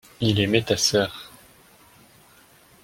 il aimait ta sœur.